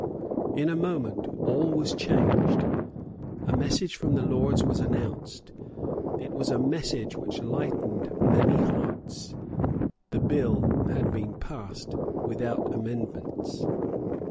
In a moment all was changed. A message from the Lords was announced. It was a message which lightened many heavy hearts. The bill had been passed without amendments.